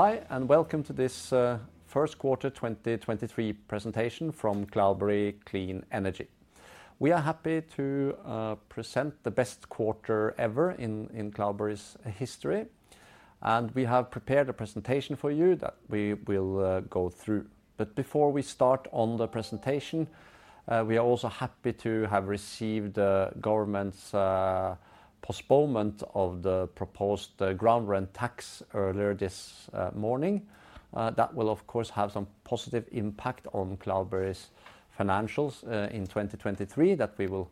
Hi, and welcome to this, 1Q 2023 presentation from Cloudberry Clean Energy. We are happy to present the best quarter ever in Cloudberry's history. We have prepared a presentation for you that we will go through. Before we start on the presentation, we are also happy to have received, government's, postponement of the proposed ground rent tax earlier this morning. That will of course have some positive impact on Cloudberry's financials, in 2023 that we will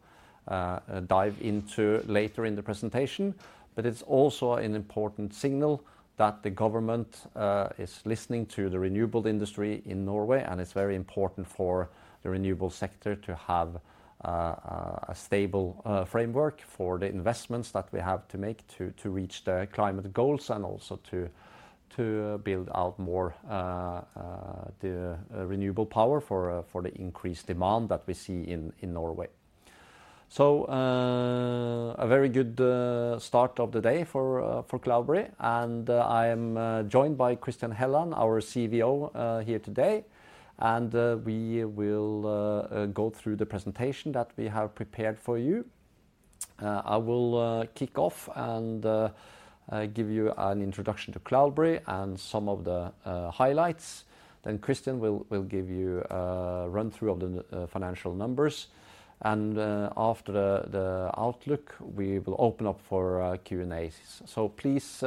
dive into later in the presentation. It's also an important signal that the government is listening to the renewable industry in Norway, and it's very important for the renewable sector to have a stable framework for the investments that we have to make to reach the climate goals and also to build out more the renewable power for the increased demand that we see in Norway. A very good start of the day for Cloudberry, and I am joined by Christian Helland, our CVO, here today, and we will go through the presentation that we have prepared for you. I will kick off and give you an introduction to Cloudberry and some of the highlights. Christian will give you a run-through of the financial numbers. After the outlook, we will open up for Q&A. Please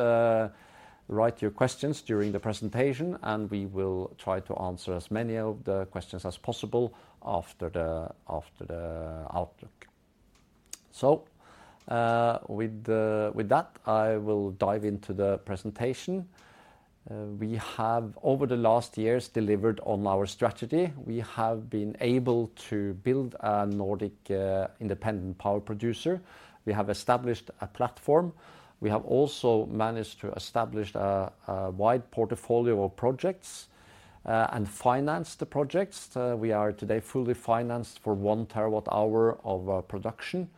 write your questions during the presentation, and we will try to answer as many of the questions as possible after the outlook. With that, I will dive into the presentation. We have over the last years delivered on our strategy. We have been able to build a Nordic independent power producer. We have established a platform. We have also managed to establish a wide portfolio of projects and finance the projects. We are today fully financed for one terawatt-hour of production.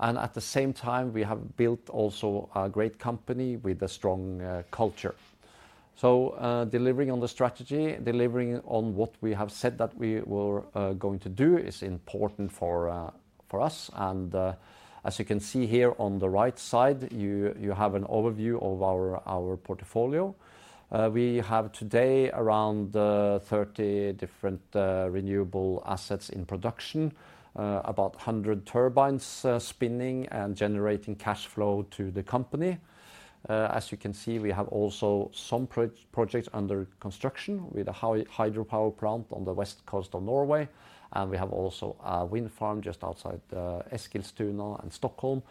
At the same time, we have built also a great company with a strong culture. Delivering on the strategy, delivering on what we have said that we were going to do is important for us. As you can see here on the right side, you have an overview of our portfolio. We have today around 30 different renewable assets in production, about 100 turbines spinning and generating cash flow to the company. As you can see, we have also some projects under construction with a hydropower plant on the west coast of Norway. We have also a wind farm just outside Eskilstuna and Stockholm,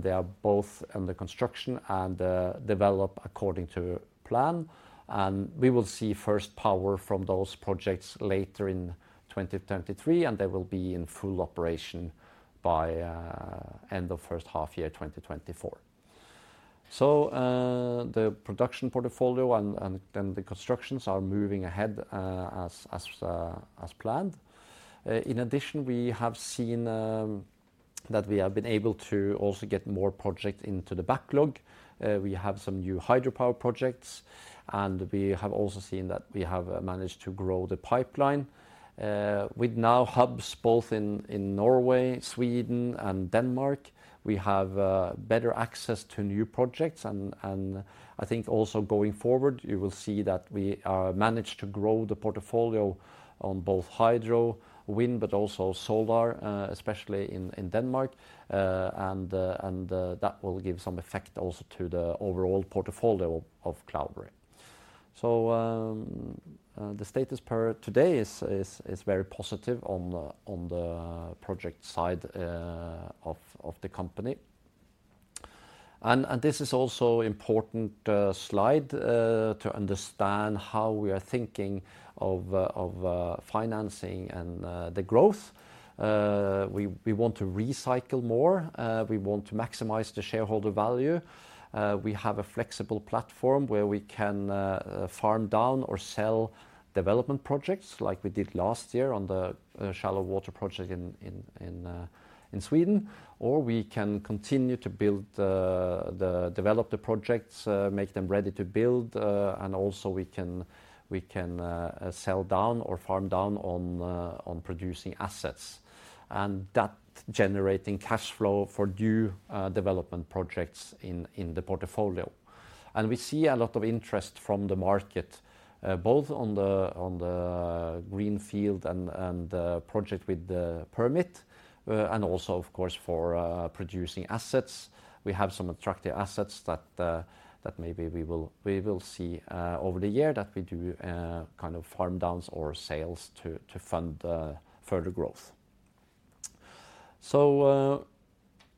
they are both under construction and develop according to plan. We will see first power from those projects later in 2023, and they will be in full operation by end of H1 year, 2024. The production portfolio and then the constructions are moving ahead as planned. In addition, we have seen that we have been able to also get more project into the backlog. We have some new hydropower projects, and we have also seen that we have managed to grow the pipeline. With now hubs both in Norway, Sweden and Denmark, we have better access to new projects and I think also going forward, you will see that we are managed to grow the portfolio on both hydro, wind, but also solar, especially in Denmark. And that will give some effect also to the overall portfolio of Cloudberry. The status per today is very positive on the project side of the company. This is also important slide to understand how we are thinking of financing and the growth. We want to recycle more. We want to maximize the shareholder value. We have a flexible platform where we can farm down or sell development projects like we did last year on the shallow water project in Sweden. We can continue to develop the projects, make them ready to build, and also we can sell down or farm down on producing assets. That generating cash flow for new development projects in the portfolio. We see a lot of interest from the market, both on the, on the greenfield and the project with the permit, and also of course for producing assets. We have some attractive assets that maybe we will, we will see over the year that we do kind of farm-downs or sales to fund further growth.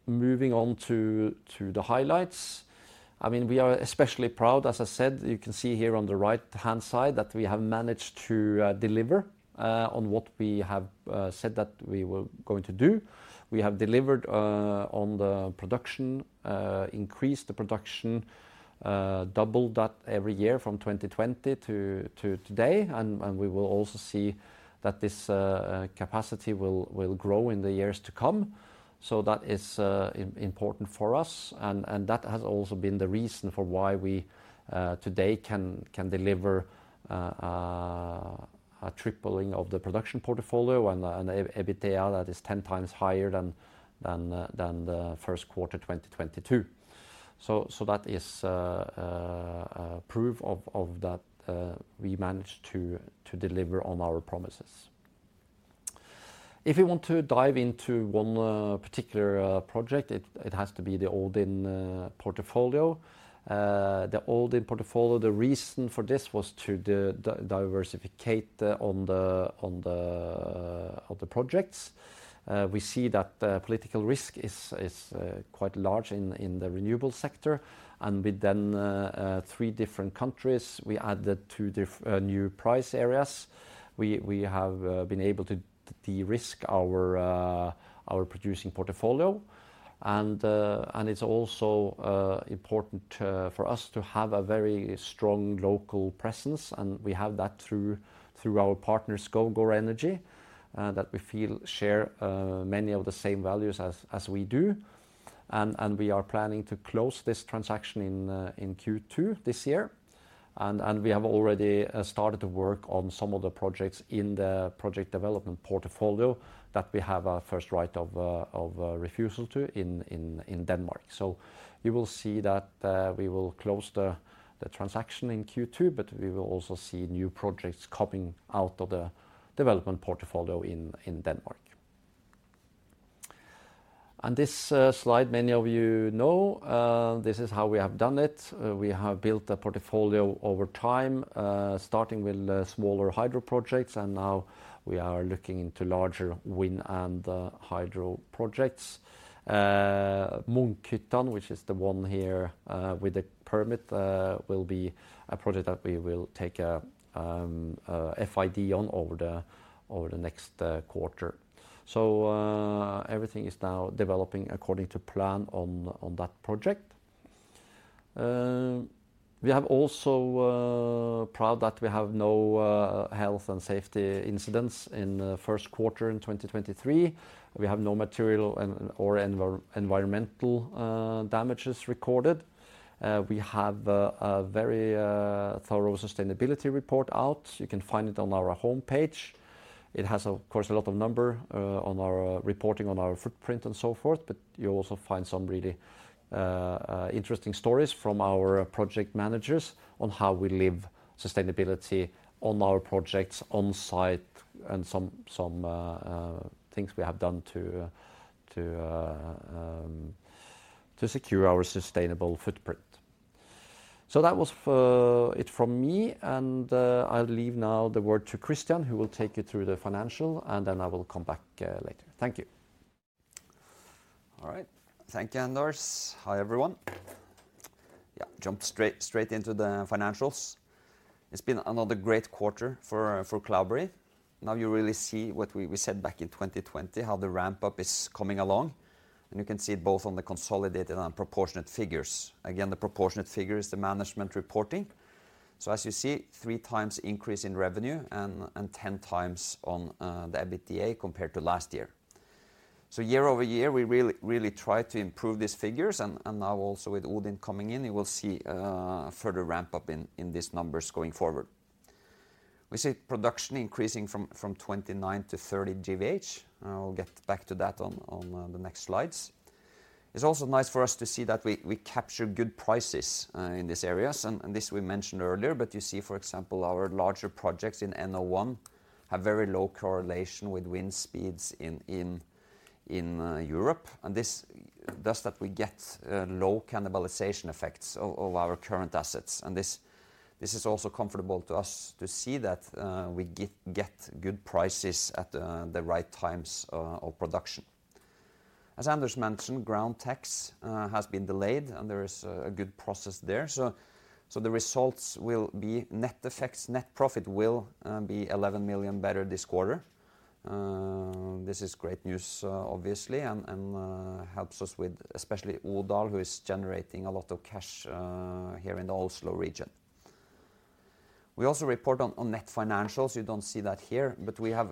Moving on to the highlights. I mean, we are especially proud, as I said, you can see here on the right-hand side that we have managed to deliver on what we have said that we were going to do. We have delivered on the production, increased the production, doubled that every year from 2020 to today. We will also see that this capacity will grow in the years to come. That is important for us. That has also been the reason for why we today can deliver a tripling of the production portfolio and EBITDA that is 10x higher than the 1Q 2022. That is proof of that we managed to deliver on our promises. If you want to dive into one particular project, it has to be the Odin portfolio. The Odin portfolio, the reason for this was to diversificate on the projects. We see that political risk is quite large in the renewable sector, and with then three different countries, we added two new price areas. We have been able to de-risk our producing portfolio. It's also important for us to have a very strong local presence, and we have that through our partners Skovgaard Energy that we feel share many of the same values as we do. We are planning to close this transaction in Q2 this year. We have already started to work on some of the projects in the project development portfolio that we have a first right of refusal to in Denmark. You will see that we will close the transaction in Q2, but we will also see new projects coming out of the development portfolio in Denmark. This slide many of you know. This is how we have done it. We have built a portfolio over time, starting with smaller hydro projects, and now we are looking into larger wind and hydro projects. Munkhyttan, which is the one here, with the permit, will be a project that we will take a FID on over the next quarter. Everything is now developing according to plan on that project. We have also proud that we have no health and safety incidents in 1Q in 2023. We have no material and, or environmental damages recorded. We have a very thorough sustainability report out. You can find it on our homepage. It has of course a lot of number on our reporting on our footprint and so forth, but you'll also find some really interesting stories from our project managers on how we live sustainability on our projects on site and some things we have done to secure our sustainable footprint. That was it from me, and I'll leave now the word to Christian, who will take you through the financial, and then I will come back later. Thank you. All right. Thank you, Anders. Hi, everyone. Yeah, jump straight into the financials. It's been another great quarter for Cloudberry. Now you really see what we said back in 2020, how the ramp-up is coming along, and you can see it both on the consolidated and proportionate figures. Again, the proportionate figure is the management reporting. As you see, 3x increase in revenue and 10x on the EBITDA compared to last year. Year-over-year, we really try to improve these figures and now also with Odin coming in, you will see further ramp-up in these numbers going forward. We see production increasing from 29 to 30 GWh. I'll get back to that on the next slides. It's also nice for us to see that we capture good prices in these areas. This we mentioned earlier, but you see, for example, our larger projects in NO1 have very low correlation with wind speeds in Europe. This does that we get low cannibalization effects of our current assets. This is also comfortable to us to see that we get good prices at the right times of production. As Anders mentioned, ground tax has been delayed, and there is a good process there. The results will be net effects. Net profit will be 11 million better this quarter. This is great news, obviously and helps us with especially Odal, who is generating a lot of cash here in the Oslo region. We also report on net financials. You don't see that here, but we have,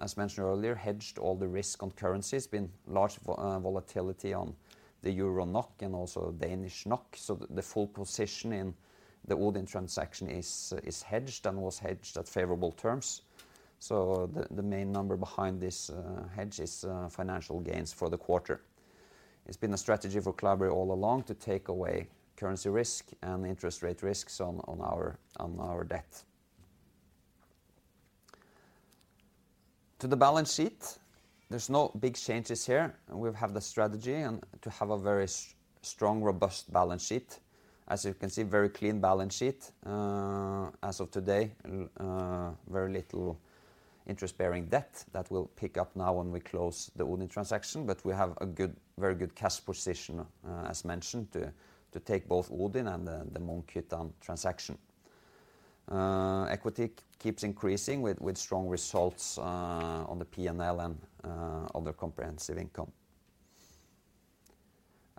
as mentioned earlier, hedged all the risk on currency. It's been large volatility on the EUR/NOK and also DKK/NOK. The full position in the Odin transaction is hedged and was hedged at favorable terms. The main number behind this hedge is financial gains for the quarter. It's been a strategy for Cloudberry all along to take away currency risk and interest rate risks on our debt. To the balance sheet, there's no big changes here. We've had the strategy and to have a very strong, robust balance sheet. As you can see, very clean balance sheet. As of today, very little interest-bearing debt that will pick up now when we close the Odin transaction. We have a good, very good cash position, as mentioned, to take both Odin and Munkhyttan transaction. Equity keeps increasing with strong results on the P&L and other comprehensive income.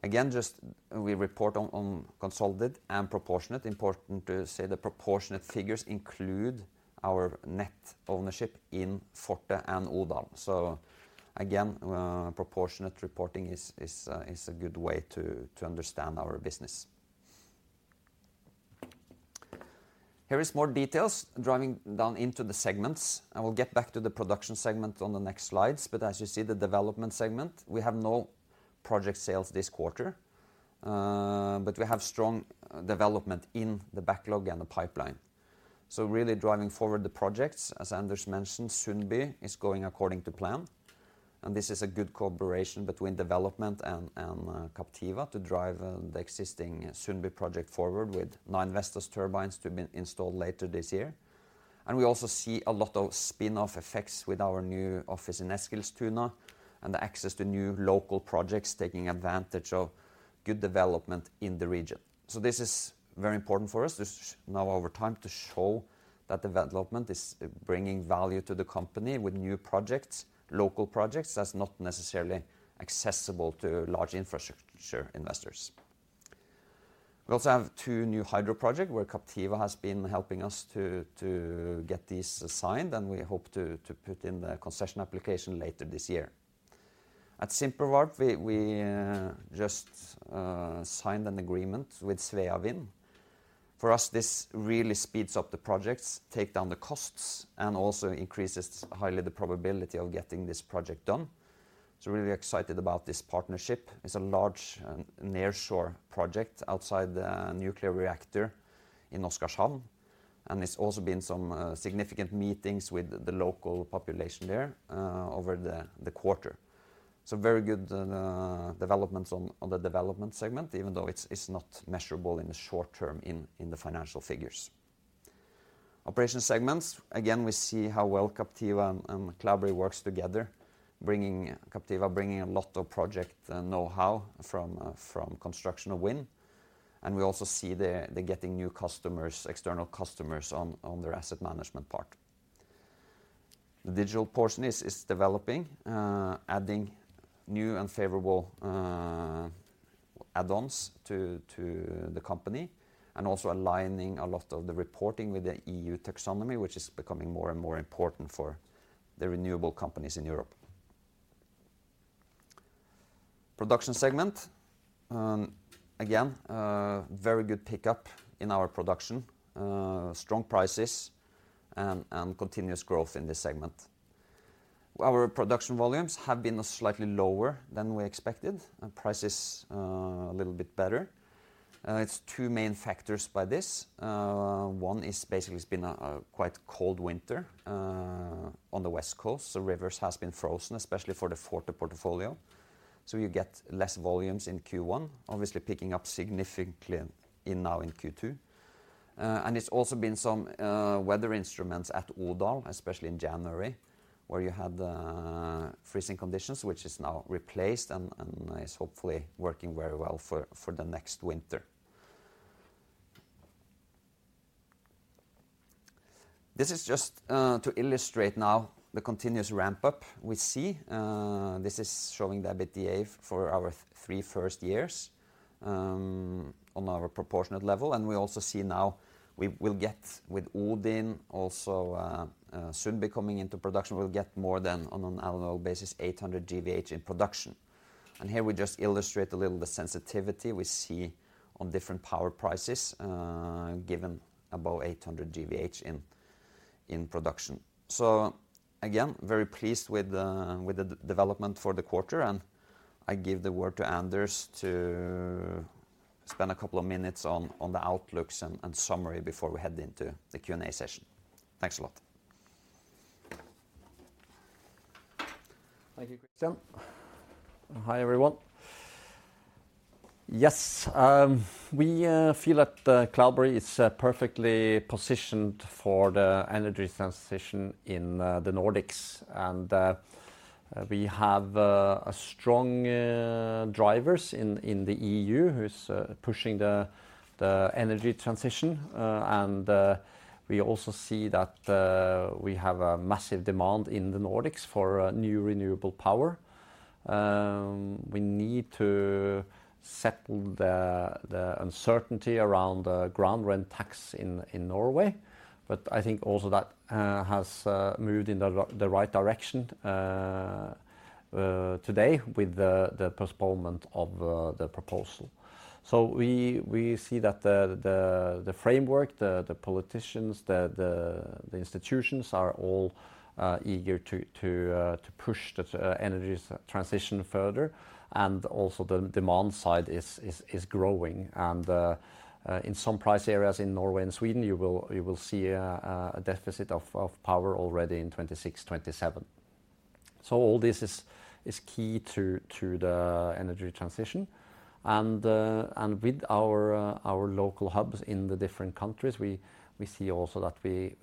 Again, just we report on consolidated and proportionate. Important to say the proportionate figures include our net ownership in Forte and Odal. Again, proportionate reporting is a good way to understand our business. Here is more details driving down into the segments, and we'll get back to the production segment on the next slides. As you see, the development segment, we have no project sales this quarter, but we have strong development in the backlog and the pipeline. Really driving forward the projects, as Anders mentioned, Sundby is going according to plan, and this is a good cooperation between development and Captiva to drive the existing Sundby project forward with nine Vestas turbines to be installed later this year. We also see a lot of spin-off effects with our new office in Eskilstuna and the access to new local projects taking advantage of good development in the region. This is very important for us. This is now over time to show that development is bringing value to the company with new projects, local projects that's not necessarily accessible to large infrastructure investors. We also have two new hydro project where Captiva has been helping us to get these assigned, and we hope to put in the concession application later this year. At Simpevarp, we just signed an agreement with Svea Vind. For us, this really speeds up the projects, take down the costs, and also increases highly the probability of getting this project done. Really excited about this partnership. It's a large nearshore project outside the nuclear reactor in Oskarshamn, and it's also been some significant meetings with the local population there over the quarter. Very good developments on the development segment, even though it's not measurable in the short term in the financial figures. Operation segments, again, we see how well Captiva and Cloudberry works together, bringing... Captiva bringing a lot of project know-how from construction of wind. We also see they're getting new customers, external customers on their asset management part. The digital portion is developing, adding new and favorable add-ons to the company and also aligning a lot of the reporting with the EU taxonomy, which is becoming more and more important for the renewable companies in Europe. Production segment, again, very good pickup in our production, strong prices and continuous growth in this segment. Our production volumes have been slightly lower than we expected. Prices a little bit better. It's two main factors by this. One is basically it's been a quite cold winter on the West Coast. Rivers has been frozen, especially for the Forte portfolio. You get less volumes in Q1, obviously picking up significantly now in Q2. It's also been some weather instruments at Odal, especially in January, where you had freezing conditions which is now replaced and is hopefully working very well for the next winter. This is just to illustrate now the continuous ramp-up we see. This is showing the EBITDA for our three first years on our proportionate level, and we also see now we will get with Odin also should be coming into production, we'll get more than on an annual basis 800 GWh in production. Here we just illustrate a little the sensitivity we see on different power prices, given about 800 GWh in production. Again, very pleased with the development for the quarter, and I give the word to Anders to spend a couple of minutes on the outlooks and summary before we head into the Q&A session. Thanks a lot. Thank you, Christian. Hi, everyone. Yes, we feel that Cloudberry is perfectly positioned for the energy transition in the Nordics, and we have strong drivers in the EU who's pushing the energy transition. We also see that we have a massive demand in the Nordics for new renewable power. We need to settle the uncertainty around the ground rent tax in Norway, but I think also that has moved in the right direction today with the postponement of the proposal. We see that the framework, the politicians, the institutions are all eager to push the energy transition further. Also the demand side is growing. In some price areas in Norway and Sweden, you will see a deficit of power already in 2026, 2027. All this is key to the energy transition. With our local hubs in the different countries, we see also that we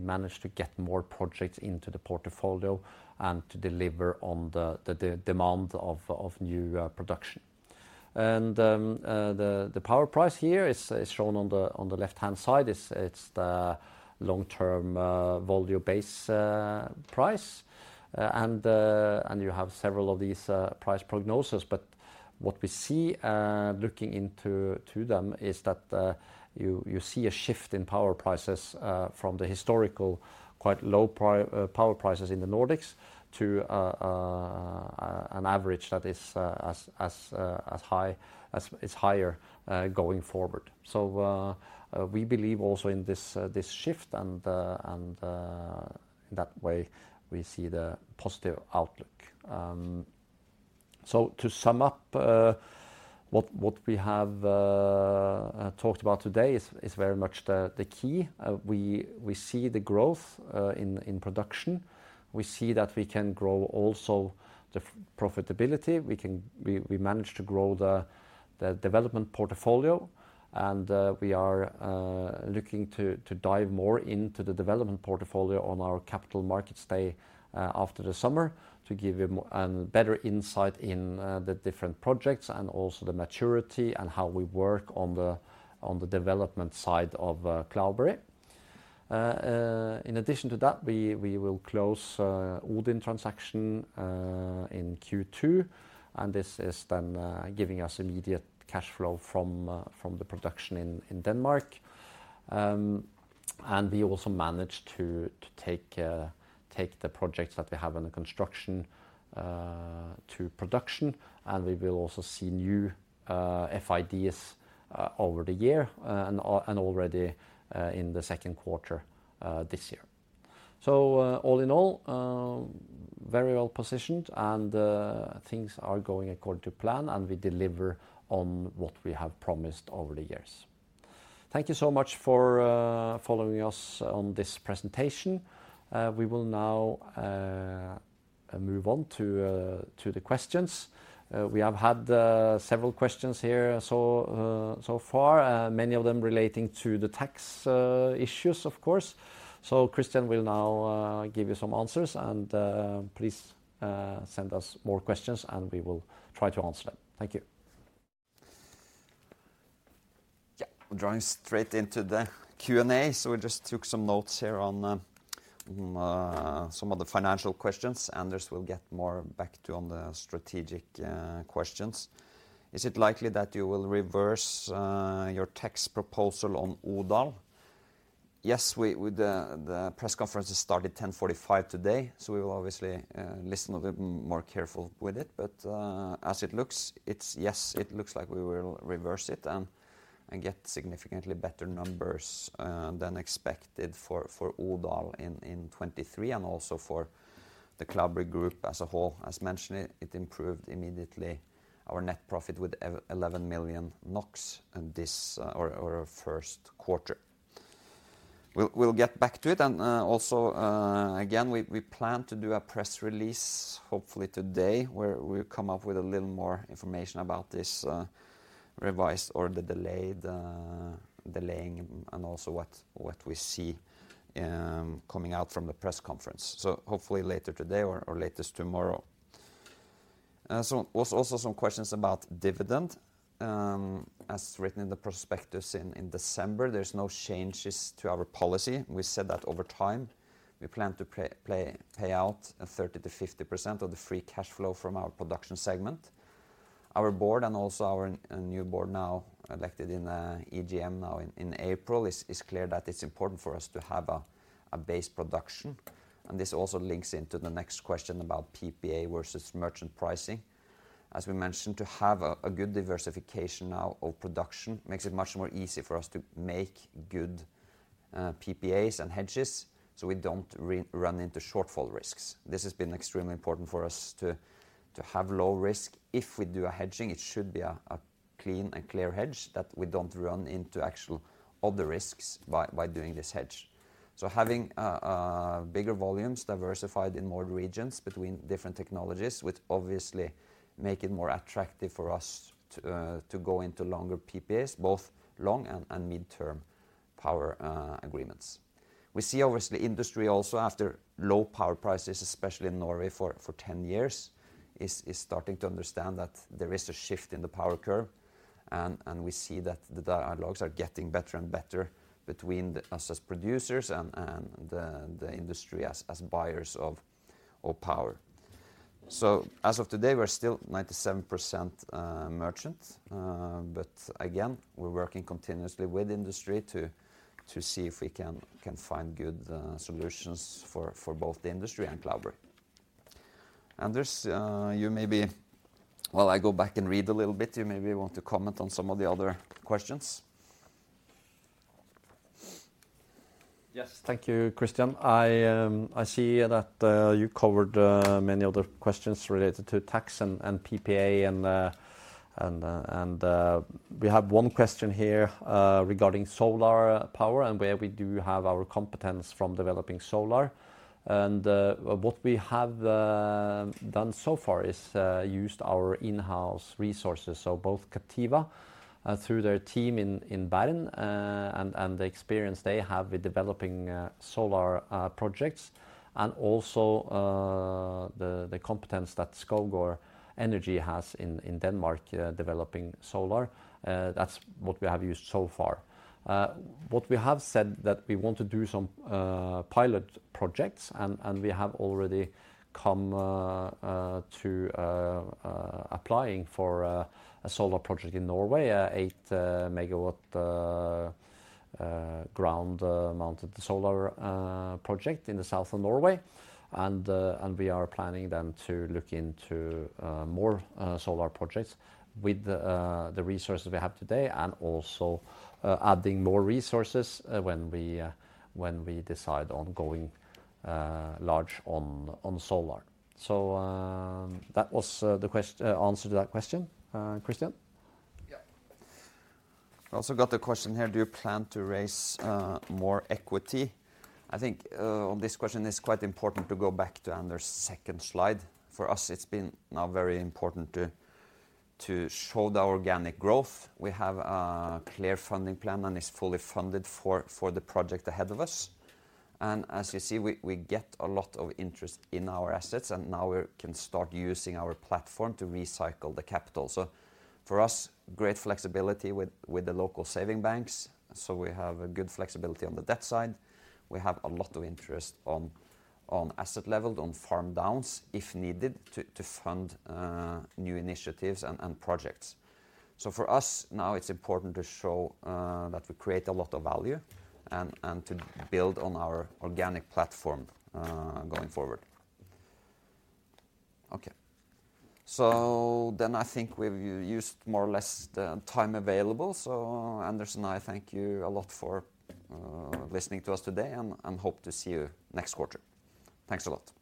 managed to get more projects into the portfolio and to deliver on the demand of new production. The power price here is shown on the left-hand side. It's the long-term volume base price, and you have several of these price prognosis. What we see, looking into, to them is that, you see a shift in power prices, from the historical quite low power prices in the Nordics to an average that is as high, as is higher, going forward. We believe also in this shift and in that way we see the positive outlook. To sum up, what we have talked about today is very much the key. We see the growth in production. We see that we can grow also the profitability. We manage to grow the development portfolio and we are looking to dive more into the development portfolio on our capital markets day after the summer to give you better insight in the different projects and also the maturity and how we work on the development side of Cloudberry. In addition to that, we will close Odin transaction in Q2, and this is then giving us immediate cash flow from the production in Denmark. We also managed to take the projects that we have under construction to production, and we will also see new FIDs over the year, and already in the second quarter this year. All in all, very well positioned and things are going according to plan, and we deliver on what we have promised over the years. Thank you so much for following us on this presentation. We will now move on to the questions. We have had several questions here so far, many of them relating to the tax issues, of course. Christian will now give you some answers and please send us more questions, and we will try to answer them. Thank you. Drawing straight into the Q&A. We just took some notes here on some of the financial questions. Anders will get more back to on the strategic questions. Is it likely that you will reverse your tax proposal on Odal? Yes. The press conference started 10:45 today, we will obviously listen a little more careful with it. As it looks, it looks like we will reverse it and get significantly better numbers than expected for Odal in 2023 and also for the Cloudberry Group as a whole. As mentioned, it improved immediately our net profit with 11 million NOK in this or 1Q. We'll get back to it. Also, again, we plan to do a press release hopefully today where we come up with a little more information about this revised or the delayed delaying and also what we see coming out from the press conference. Hopefully later today or latest tomorrow. Was also some questions about dividend. As written in the prospectus in December, there's no changes to our policy. We said that over time we plan to pay out a 30%-50% of the free cash flow from our production segment. Our board and also our new board now elected in EGM now in April, is clear that it's important for us to have a base production. This also links into the next question about PPA versus merchant pricing. As we mentioned, to have a good diversification now of production makes it much more easy for us to make good PPAs and hedges so we don't run into shortfall risks. This has been extremely important for us to have low risk. If we do a hedging, it should be a clean and clear hedge that we don't run into actual other risks by doing this hedge. Having bigger volumes diversified in more regions between different technologies would obviously make it more attractive for us to go into longer PPAs, both long and midterm power agreements. We see obviously industry also after low power prices, especially in Norway for 10 years, is starting to understand that there is a shift in the power curve, and we see that the dialogues are getting better and better between us as producers and the industry as buyers of power. As of today, we're still 97% merchant. Again, we're working continuously with industry to see if we can find good solutions for both the industry and Cloudberry. Anders, While I go back and read a little bit, you maybe want to comment on some of the other questions. Yes. Thank you, Christian. I see that you covered many of the questions related to tax and PPA and, and we have one question here regarding solar power and where we do have our competence from developing solar. What we have done so far is used our in-house resources, so both Captiva through their team in Bern, and the experience they have with developing solar projects and also The competence that Skovgaard Energy has in Denmark, developing solar, that's what we have used so far. projects and we have already come to applying for a solar project in Norway, 8 MW ground-mounted solar project in the south of Norway. We are planning then to look into more solar projects with the resources we have today and also adding more resources when we decide on going large on solar. That was the answer to that question. Christian I also got the question here, do you plan to raise more equity? I think, on this question it's quite important to go back to Anders' second slide. For us, it's been now very important to show the organic growth. We have a clear funding plan and it's fully funded for the project ahead of us. As you see, we get a lot of interest in our assets, and now we can start using our platform to recycle the capital. For us, great flexibility with the local saving banks, so we have a good flexibility on the debt side. We have a lot of interest on asset level, on farm-downs if needed to fund new initiatives and projects. For us now it's important to show that we create a lot of value and to build on our organic platform going forward. Okay. Then I think we've used more or less the time available. Anders and I thank you a lot for listening to us today, and hope to see you next quarter. Thanks a lot.